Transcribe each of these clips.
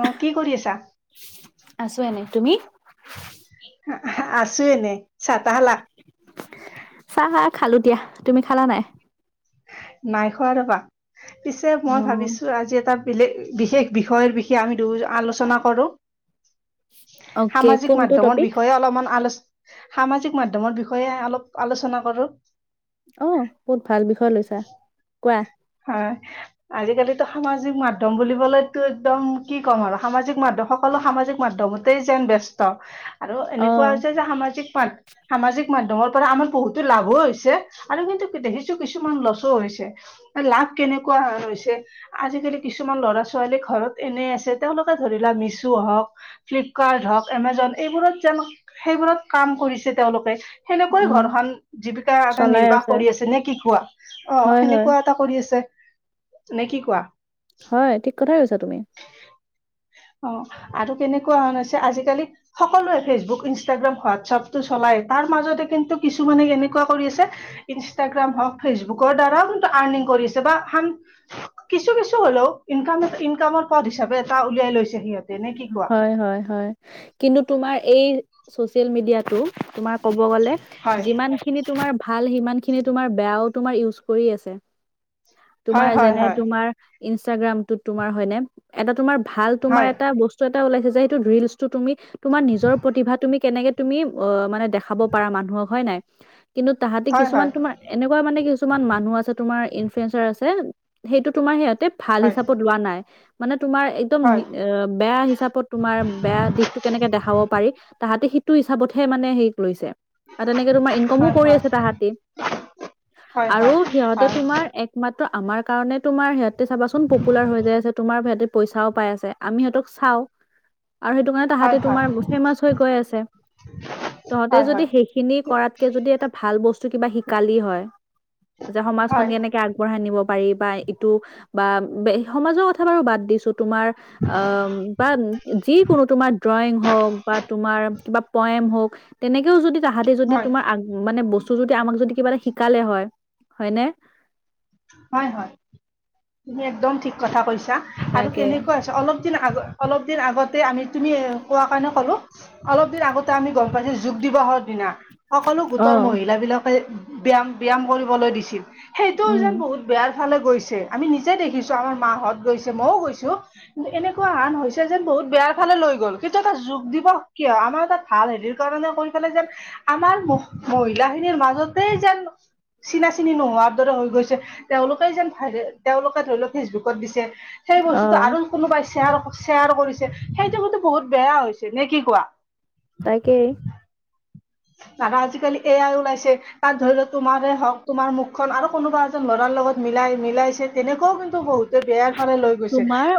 অ', কি কৰি আছা? আছো এনে তুমি? আহা আছে এনে চাহ তাহ খালা? চাহ হা খালোঁ দিয়া। তুমি খালা নে নাই? নাই খোৱা ৰ'বা, পিছে মই অ' ভাবিছো আজি এটা [unintelligible] বিশেষ বিষয়ৰ বিষয়ে আমি দুয়ো আলোচনা কৰো। অকে সামাজিক কোনটো মাধ্যমৰ টপিক? বিষয়ে অলপমান আলোচ সামাজিক মাধ্যমৰ বিষয়ে অলপ আলোচনা কৰোঁ। অ' বহুত ভাল বিষয় লৈছা কোৱা। আজিকালি সামাজিক মাধ্যম বুলি বলো একদম কি ক'ম আৰু সামাজিক মাধ্যমসকলো সামাজিক মাধ্যমতে যেন ব্যস্ত আৰু এনেকুৱা অ' হৈছে যে সামাজিক মাধ্য সামাজিক মাধ্যমৰ পৰা আমাৰ বহুতো লাভো হৈছে আৰু কিন্তু দেখিছোঁ কিছুমান লছো হৈছে। লাভ কেনেকুৱা হৈছে আজিকালি কিছুমান ল'ৰা ছোৱালী ঘৰতে এনেই আছে। তেওঁলোকে ধৰি লোৱা মিছু হওঁক, ফ্লিপকাৰ্ট হওঁক, এমেজন এইবোৰত যেন সেইবোৰত কাম কৰিছে তেওঁলোকে সেনেকৈ উম ঘৰখন জীৱিকা এটা নিৰ্বাহ কৰি আছে নে কি কোৱা অ' হয় হয় সেনেকুৱাৱা কৰি আছে নে কি কোৱা? হয়, ঠিক কথাই কৈছা তুমি। অ' আৰু তেনেকুৱা হৈছে আজিকালি সকলোৱে ফেচবুক, ইনষ্টাগ্ৰাম, হোৱাটছঅপ টো চলাই। তাৰ মাজতে কিন্তু কিছুমানে এনেকুৱা কৰি আছে, ইনষ্টাগ্ৰাম হওঁক ফেচবুকৰ দ্বাৰাও কিন্তু আন পেঙককৰি আছে বাহ হাম কিছু কিছু হ'লেও ইনকামএটা ইনকামৰ পথ হিচাপে এটা উলিয়াই লৈছে। সিহঁতে নে কি কোৱা হয়, হয়, হয়। কিন্তু তোমাৰ এই ছ'চিয়েল মিডিয়াটো তোমাৰ ক'ব গ'লে হয় যিমান খিনি তোমাৰ ভাল সিমানখিনি তোমাৰ বেয়াও তোমাৰ ইউজ কৰি আছে। হয় তোমাৰ হয় যেনে হয় তোমাৰ ইনষ্টাগ্ৰামটোত তোমাৰ হয়নে এটা তোমাৰ ভাল তোমাৰ হয় এ ছয়টা ওলাইছে যে সেইটো ৰিলচটো তুমি তোমাৰ নিজৰ প্ৰতিভা তুমি কেনেকে তুমি অ' মানে দেখাব পাৰা মানুহক হয় নাই। কিন্তু তাহাঁতে হয় কিছুমান তোমাৰ এনেকুৱা মানে কিছুমান মানুহ আছে, তোমাৰ ইনফ্লয়েঞ্চাৰ আছে সেইটো তোমাৰ সিহঁতে ভাল হয় হিচাপত লোৱা নাই মানে তোমাৰ একদম নি হয় অহ বেয়া হিচাপত তোমাৰ বেয়া দিশটো কেনেকে দেখাব পাৰি, তাহাতে সেইটো হিচাপতহে মানে শেইক লৈছে। আ তেনেকে তোমাৰ ইনকমো হয় হয় হয় কৰি আছে হয় তাহাঁতি। হয় হয় হয় হয় আৰু হয় হয় সিহঁতে তোমাৰ একমাত ত আমাৰ কাৰণে তোমাৰ সিহঁতে চাচোন পপুলাৰ হৈ যায় আছে তোমাৰ ভেদে পইচাও পাই আছে। আমি সিহঁতক চাও আৰু সেইটো কাৰণে তাহাঁতে তোমাৰ ফেমাচ হৈ গৈ আছে। তহঁতে যদি সেইখিনি কৰাতকে যদি এটা ভাল বস্ত ছো কিবা শিকালি হয়, যে সমাজখন হয় কেনেকে আগবঢ়াই নিব পাৰি বা ইটো বা সমাজৰ কথা বাৰু বাদ দিছো তোমাৰ আ বা যিকোনো তোমাৰ ড্ৰয়িং হওক বা তোমাৰ কিবা পয়েম হওঁক তেনেকেও যদি তাহাতি যদি হয় তোমাৰ আগ মানে বস্তু যদি আমাক যদি কিবা এটা শিকালে হয় হয়নে? হয় হয়, তুমি একদম ঠিক কথা কৈছ ছা, আৰু তাকে কেনেকুৱা হৈছে অলপ দিন আগ অলপ দিন আগতে আমি তুমি কোৱা কাৰণে কলো, অলপ দিন আগতে আমি গম পাইছো যোগ দিৱসৰ দিনা সকলো গোটৰ অ', মহিল বিলাকে ব্যয়ায়াম- ব্যয়ায়াম কৰিবলৈ দিছিল। সেইটো উম। যেন বহুত বেয়াৰ ফালে গৈছে আমি নিজে দেখিছো আমাৰ মাহঁত গৈছে মইও গৈছো এনেকুৱা হান হৈছে তে যেন বহুত বেয়াৰ ফালে লৈ গ'ল, কিন্তু এটা যোগ দিিবস কিয় আমাৰ এটা ভাল হেৰিৰ কাৰণে কৈ পেলাই যেন আমাৰ মহ মহিলা খিনিৰ মাজতে যেন চিনা চিনি নোহোৱাৰ দৰে হৈ গৈছে। তেওঁলোকে যেন ভাইৰেল তেওঁলোকে ধৰি লও ফেচবুকত দিছে, সেই বস্তুটো অ', আৰু কোনোবাই শ্বেয়াৰ অক শ্বেয়াৰ কৰিছে সেইটো কিন্তু বহুত বেয়া হৈছে। নে কি কোৱা? তাকেই। দাদা আজিকালি এয়াই ওলাইছে তাত ধৰি লওক তোমাৰে হওক তোমাৰ মুখখন আৰু কোনোবা এজন লৰাৰ লগত মিলাই মিলাইছে তেনেকুৱাও কিন্তু বহুতে বেয়াৰ ফালে লৈ গৈছে তোমাৰ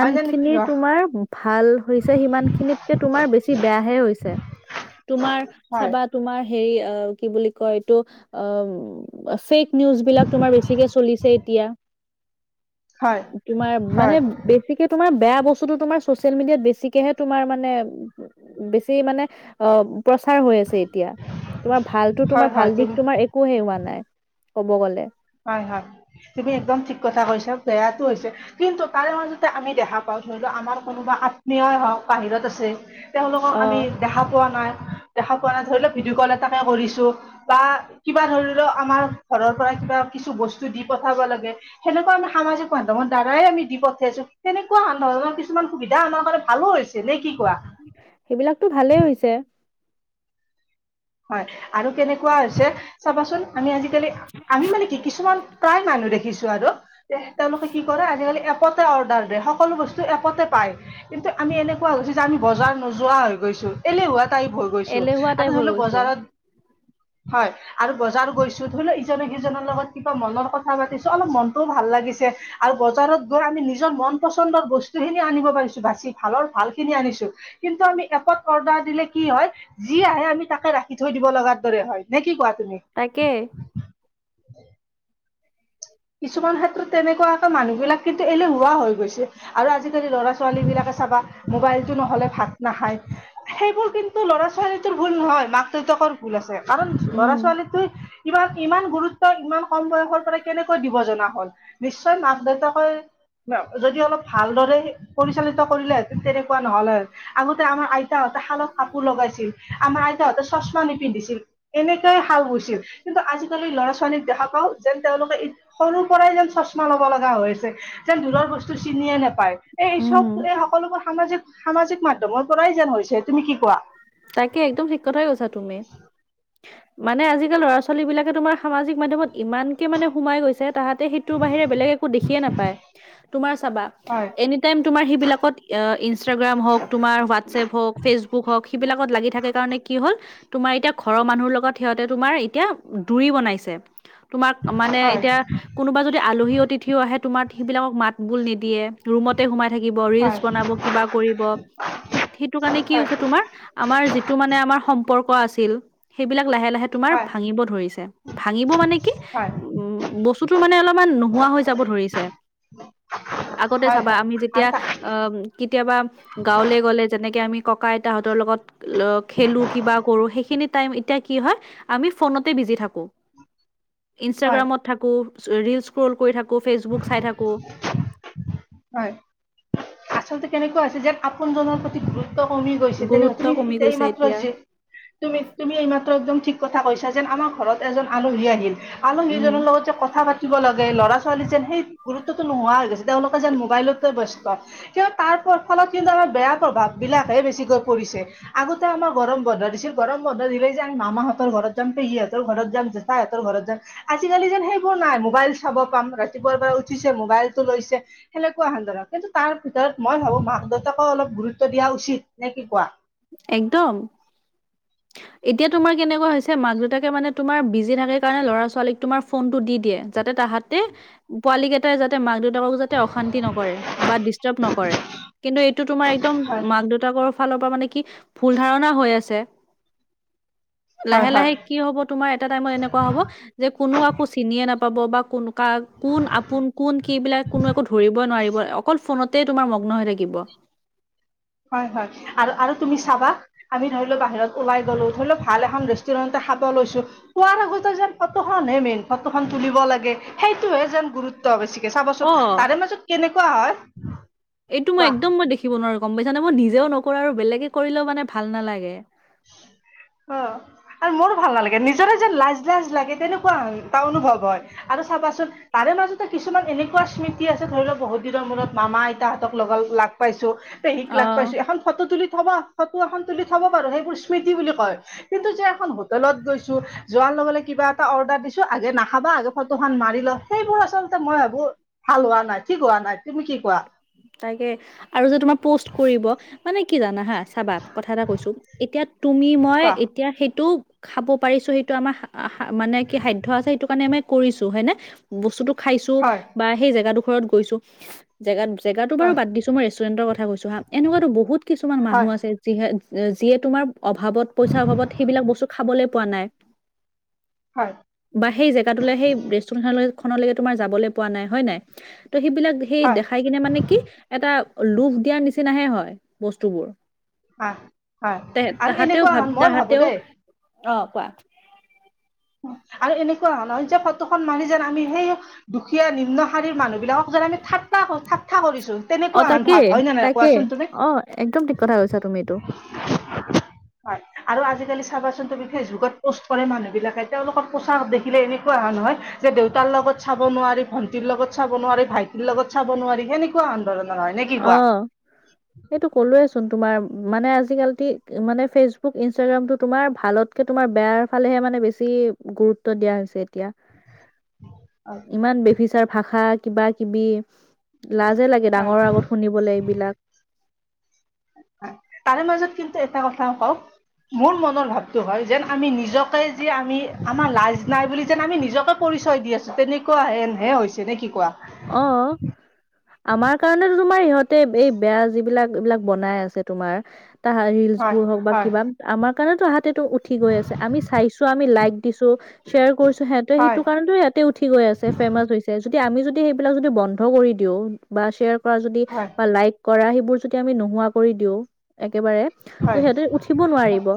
হয় নে নে কি তোমাৰ ভাল হৈছে সিমান খিনিতকে তোমাৰ বেছি বেয়া হে হৈছে। তোমাৰ হয় চাবা তোমাৰ হেৰি অ কি বুলি কয় এইটো অ ফেক নিউজ বিলাক তোমাৰ বেছিকে চলিছে এতিয়া। [inaudible] তোমাৰ হয় মানে বেছিকে তোমাৰ বেয়া বস্ টো তোমাৰ চছিয়েল মেডিয়াত বেছিকেহে তোমাৰ মানে বেছি মানে অ প্ৰচাৰ হৈ আছে এতিয়া, তোমাৰ ভালতো হয় তোমাৰ হয় ভাল তুমি দিশ তোমাৰ একো হে হোৱা নাই। ক'ব গ'লে। হয়-হয় তুমি একদম ঠিক কথা কৈছা বেয়াটো হৈছে কিন্তু তাৰে মাজতে আমি দেখা পাওঁ ধৰি লও আমাৰ কোনোবা আত্মীয়ই হওক বাহিৰত আছে তেওঁলোকক আমি অ', দেখা পোৱা নাই। দেখা পোৱা নাই ধৰি লও ভিডিঅ' কল এটাকে কৰিছো বা কিবা ধৰি লও আমাৰ ঘৰৰ পৰা কিবা কিছু বস্তু দি পঠাব লাগে সেনেকুৱা আমি সাজিক মাধ্যমৰ দ্বাৰাই আমি দি পঠিয়াইছো সেনেকুৱাহ ধৰণৰ কিছুমান সুবিধা আমাৰ কাৰনে ভালো হৈছে নে কি কোৱা? এইবিলাকতো ভালেই হৈছে। হয় আৰু কেনেকুৱা হৈছে চাবাচোন আমি আজিকালি আমি মানে কি কিছুমান প্ৰায় মানুহ দেখিছো আৰু তে তেওঁলোকে কি কৰে আজিকালি এক এপতে অৰ্ডাৰ দিয়ে সকলো বস্তু এপতে পায় কিন্তু আমি এনেকুৱা হৈ গৈছো যে আমি বজাৰ নোযোৱা হৈ গৈছ এলেহুৱা টাইপ হৈ গৈছো এলেহুৱা আমি টাইপ হৈ ধৰিলেও গৈছো বজাৰত হয় আৰু বজাৰ গৈছো ধৰি লও ইজনে সিজনৰ লগত কিবা মনৰ কথা পাতিছো অলপ মনতটোও ভাল ভাল লাগিছে আৰু বজাৰত গৈ আমি নিজৰ মন পচন্দৰ বস্তু খিনি আনিব পাৰিছো বাচি ভালৰ ভাল খিনি খিনি আনিছোঁ কিন্তু আমি এপত অৰ্ডাৰ দিলে কি হয় যি আহে আমি তাকে ৰাখি থৈ দিব লগাৰ দৰে হয় নে কি কোৱা? তুমি তাকে। [inaudible] কিছুমান ক্ষেত্ৰত তেনেকুৱা আকৌ মানুহ বিলাক কিন্তু এলেহুৱা হৈ গৈছে আৰু আজিকালি ল'ৰা ছোৱালী বিলাকে চাবা মোবাইলটো নহলে ভাত নাখায় সেইবোৰ কিন্তু ল'ৰা ছোৱালীটোৰ ভুল নহয় মাক দেউতাকৰ ভুল আছে কাৰণ উম ল'ৰা ছোৱালীটো ইমান, ইমান গুৰুত্ব ইমান কম বয়সৰ পৰা কেনেকৈ দিব জনা হল নিশ্চয় মাক দেউতাকে যদি অলপ ভালদৰে পৰিচালিত কৰিলেহেতেন তেনেকুৱা নহ'ল হৈ আগতে আমাৰ আই আইতা হ'তে শালত কাপোৰ লগাইছিল আমাৰ তাহঁতে চশমা নিপিন্ধিছিল এনেকুৱাই শাল বৈছিল, কিন্তু আজিকালি ল'ৰা ছোৱালীক দেখা পাওঁ যেন তেওঁলোকে সৰুৰ পৰাই যেন চশমা লব লগা হৈছে যেন দূৰৰ বস্তু চিনিয়ে নাপায় পাই এই উম চব এই সকলোবোৰ সামাজিক সামাজিক মাধ্যমৰ পৰাই যেন হৈছে তুমি কি কোৱা? তাকে একদম ঠিক কথাই গৈছা তুমি, মানে আজিকালি ল'ৰা ছোৱালী বিলাকে তোমাৰ সামাজিক মাধ্যমত ইমানকে মানে সোমাই গৈছে তাহাতে সেইটো বাহিৰে বেলেগ একো দেখিয়ে নাপায় তোমাৰ চাবা হয় এনিটাইম তোমাৰ সেইবিলাকত অ, ইনষ্টাগ্ৰাম হওক, তোমাৰ হোৱাটছএপ হওক, ফেচবুক হওক সিবিলাকত লাগি থাকে কাৰণে কি হ'ল তোমাৰ এতিয়া ঘৰৰ মানুহৰ লগত সিহঁতে তোমাৰ এতিয়া দুৰি বনাইছে। তোমাক মানে হয় এতিয়া কোনোবা যদি আলহী অতিথিও আহে তোমাৰ সেই বিলাকক মাত বোল নিদিয়ে। ৰুমতে সোমাই থাকিব ৰীলছ হয় বনাব কিবা কৰিব ত' সেইটো কাৰণে কি হয় হৈছে তোমাৰ আমাৰ যিটো মানে আমাৰ সম্পৰ্ক আছিল সেইবিলাক লাহে লাহে তোমাৰ হয় ভাঙিব ধৰিছে, ভাঙিব মানে কি হয় উম, বস্তুতো মানে অলমান নোহোৱা হৈ যাব ধৰিছে। [inaudible] আগতে চাবা হয় আমি আৰু যেতিয়া তা অ, কেতিয়াবা গাঁৱলে গ'লে যেনেকে আমি ককা আইতাহঁতৰ লগত লগত খেলোঁ কিবা কৰোঁ সেইখিনিত টাইম এতিয়া কি হয়, আমি ফোনতে বিজি থাকোঁ হয় ইনষ্টাগ্ৰামত থাকোঁ ৰীলছ স্ক্ৰল কৰি থাকোঁ ফেচবুক চাই থাকোঁ। হয় আচলতে কেনেকুৱা হৈছে যেন আপোনজনৰ প্ৰতি গুৰুত্ব কমি গৈছে তেনেকুৱা গুৰুত্ব তুমি কমি এতিয়া এই গৈছে মাত্ৰ যে তুমি তুমি এই মাত্ৰ একদম ঠিক কথা কৈছা যেন আমাৰ ঘৰত এজন আলহী আহিল, উম আলহীজনৰ লগত যে কথা পাতিব লাগে ল'ৰা ছোৱালী যেন সেই গুৰুত্বটো নোহোৱা হৈ গৈছে তেওঁলোকে যেন মোবাইলতে ব্যস্ত কিয় তাৰ ফলত কিন্তু আম বেয়া প্ৰভাৱ বিলাকহে বেছিকৈ পৰিছে আগতে আমাৰ গৰম বন্ধ দিছিল গৰম বন্ধ দিলে যে আ মামা হঁতৰ ঘৰত যাম, পেহী হঁতৰ ঘৰত যাম, জেঠা সহঁতৰ ঘৰত যাম আজিকালি যেন সেইবোৰ নাই মোবাইল চাব ৰাতিপুৱাই পৰা উঠিছে মোবাইলটো লৈছে সেনেকুৱা হান জেগাত, কিন্তু তাৰ ভিতৰত মই ভাবোঁ মাক-দেউতাক অলপ গুৰুত্ব দিয়া উচিত নে কি কোৱা? একদম এতিয়া তোমাৰ কেনেকুৱা হৈছে মাক- দেউতাকে মানে তোমাৰ বিজি থাকে কাৰণে ল'ৰা-ছোৱালীক তোমাৰ ফোনটো দি দিয়ে যাতে তাহাতে পোৱালি কেইটাই যাতে মাক-দেউতা যাতে অশান্তি নকৰে বা ডিষ্টাৰ্ব নকৰে কিন্তু এইটো তোমাৰ একদম হয় মাক-দেউতাকৰ ফালৰ পৰা মানে কি ভুল ধাৰণা হৈ আছে। হয় লাহে লাহে হয় কি হব তোমাৰ এটা টাইমত এনেকুৱা হ'ব যে কোনো কাকো চিনিয়ে নাপ পাব বা কোন কোন আপোন কোন কি এইবিলাক কোনো একো ধৰিবই নোৱাৰিব অকল ফোনত তেই তোমাৰ মগ্ন হৈ থাকিব। হয় হয় আৰু আৰু তুমি চাবা আমি ধৰি ল বাহিৰত ওলাই গলোঁ ধৰি ল ভাল এখন ৰেষ্টুৰেণ্ট খাব লৈছোঁ খোৱাৰ আগতে যেন ফটোখনহে মেইন ফটোখন তুলিব লাগে সেইটোহে যেন গুৰুত্ব বেছি। চাবচোন অ তাৰে মাজত কেনেকুৱা হয়। এইটো মই ৱাহ একদম মই দেখিব নোৱাৰোঁ গম পাইছা নে মই নিজেও নকৰোঁ আৰু বেলেগে কৰিলেও মানে ভাল নালাগে। [inaudible] অ', আৰু মোৰো ভাল নালাগে নিজৰে যেন লাজ লাজ লাগে তেনেকুৱা এটা অনুভৱ হয় আৰু চাবাচোন তাৰে মাজতে কিছুমান এনেকুৱা স্মৃতি আছে ধৰি লও বহুত দিনৰ মূৰত মামা-আইতাহতঁক লগ লাগ পাইছোঁ, পেহীক লগ অ পাইছোঁ। এখন ফটো তুলি থবা ফটো এখন তুলি থব পাৰো সেইবোৰ স্মৃতি বুলি কয় কিন্তু যে এখন হোটেলত গৈছোঁ। যোৱাৰ লগে লগে কিবা এটা অৰ্ডাৰ দিছোঁ, আগে নখ বা আগে ফটো খন মাৰি ল সেইবোৰ আচলতে মই ভাবোঁ ভাল হোৱা নাই ঠিক হোৱা নাই। তুমি কি কোৱা? তাকে, আৰু যে তোমাৰ পোষ্ট কৰিব। মানে কি জানা হা চাবা কথা এটা কৈছো, এতিয়া তুমি মই কোৱা এতিয়া সেইটো খাব পাৰিছোঁ সেইটো আমাৰ মানে কি সাধ্য আছে সেইটো কাৰণে আমি কৰিছোঁ, হয়নে। বস্তুটো খাইছোঁ হয় বা সেই জেগাটো ঘৰত গৈছোঁ। জেগাত জেগাতো বাৰু হয় বাদ দিছো মই ৰেষ্টুৰেন্টৰ ক যোৱা এনেকুৱাতো বহুত কিছুমান হয় মানুহ আছে যিহে যিয়ে তোমাৰ অভাৱত পইচাৰ অভাৱত সেইবিলাক বস্তু খাবলৈ পোৱা নাই। হয় বা সেই জেগাটোলে সেই ৰেষ্টুৰেন্টখনলৈ খনলে তোমাৰ যাবলৈ পোৱা নাই হয় নাই। ত' সেইবিলাক সেই হয় দেখা মানে কি এটা লোভ দিয়াৰ নিচিনাহে হয় বস্তুবোৰ। হয় হয় ত' আৰু তাহাতেও এনেকুৱা হন ভাবে মই ভাবো তাহাতেও দেই অহ' কোৱা আৰু এনেকুৱা ধৰণৰ যে ফটোখন মাৰি যেন আমি, সেই দুখীয়া নিম্ন শাৰীৰ মানুহ বিলাকক আমি ঠাট্টা, ঠাট্টা কৰিছোঁ। অ', তেনেকুৱা হান তাকে ভাৱ হয় নে নহয়, তাকে কোৱাচোন তুমি? অ একদম ঠিক কথা কৈছা তুমি এইটো হয়। আৰু আজিকালি চাবাচোন তুমি ফেচবুকত প'ষ্ট কৰে মানুহবিলাকে। তেওঁলোকক পোছাক দেখিলে এনেকুৱা হেন হয়, যে দেউতাৰ লগত চাব নোৱাৰি, ভণ্টিৰ লগত চাব নোৱাৰি, ভাইটি লগত চাব নোৱাৰি সেনেকুৱা হান। অহ' সেইটো কলোৱে‌ই চোন। তোমাৰ মানে আজিকালি মানে ফেচবুক, ইনষ্টাগ্ৰাম টো তোমাৰ ভালতকে তোমাৰ বেয়াৰ ফালেহে‌ মানে বেছি গুৰুত্ব দিয়া হৈছে। এতিয়া, হয় ইমান বেভিচাৰ ভাষা কিবা-কিবি লাজে লাগে হয় ডাঙৰৰ আগত শুনিবলে এইবিলাক। [unintelligible] তাৰে মাজত কিন্তু এটা কথা কওক মোৰ মনৰ ভাৱতটো হয় যেন আমি নিজকে যে আমি আমাৰ লাজ নাই বুলি যেন আমি নিজকে পৰি চয় দি আছোঁ। তেনেকুৱা হেনহে হৈছে নে কি কোৱা। অহ' আমাৰ কাৰণে টো তোমাৰ ইহঁতে এই বেয়া যিবিলাক এইবিলাক বনাই আছে তোমাৰ তাহা হয় ৰিলচবোৰ হওঁক বা হয় কিবা আমাৰ কাৰণেটো তাহাঁতেটো উঠি গৈ আছে, আমি চাইছোঁ আমি লাইক দিছো শ্বেয়াৰ কৰিছো সিহতে হয় সেইটো কাৰণটো ইয়াতে উঠি গৈ আছে ফেমাছ হৈছে যদি আমি যদি সেইবিলাক যদি বন্ধ কৰি দিওঁ বা শ্বেয়াৰ কৰা, যদি হয় বা লাইক কৰা সেই যদি আমি নহোৱা কৰি দিও এক একেবাৰে ত' হয় সিহঁতে উঠিব নোৱাৰিব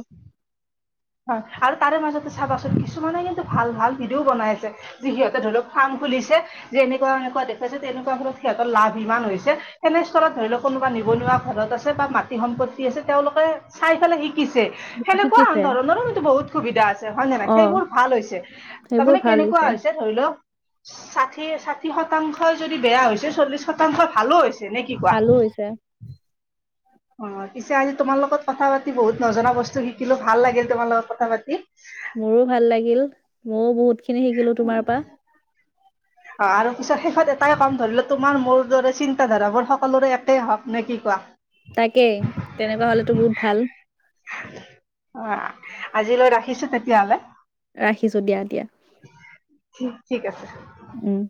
চাচোন কিছুমানে কিন্তু ভাল ভাল ভিডিঅও বনাই আছে যিহঁতে ধৰি লওক ফাৰ্ম খুলিছে যে এনেকুৱা দেখুৱাই যে, তেনেকুৱা ধৰক সিহঁতৰ লাভ ইমান হৈছে তেনেস্থলত ধৰি লওঁক কোনোবা নিবনুৱা ঘৰত আছে বা মাটি সম্পত্তি আছে, তেওঁলোকে চাই পেলাই শি [unintelligible] সেনেকুৱা শিকিছে ধৰণৰো কিন্তু বহুত সুবিধা আছে হয়নে নাই? অ সেইবোৰ ভাল হৈছে সেইবোৰ তাৰমানে কে ভাল কেনেকুৱা হৈছে ধৰি লওঁক [unintelligible] সেই চাঠি শতাংশই যদি বেয়া হৈছে, চল্লিশ শতাংশ ভালো হৈ নে, কি কোৱা? ভালো হৈছে অ', পিছে আজি তোমাৰ লগত কথা পাতি বহুত নজনা বস্তু শিকিলোঁ, ভাল লাগিল তোমাৰ লগত কথা পাতি। ময়ো বহুতখিনি শিকিলোঁ তোমাৰ পা অ', আৰু পিছত শেষত এটাই কম ধৰি ল' তোমাৰ, মোৰ দৰে চিন্তা ধাৰাবোৰ সকলোৰে একেই হওঁক নে, কি কোৱা? তাকেই, তেনেকুৱা হ'লেতো বহুত ভাল। অ', আজিলৈ ৰাখিছোঁ তেতিয়াহ'লে। ৰাখিছোঁ দিয়া, দিয়া। ঠিক, ঠিক আছে। উম।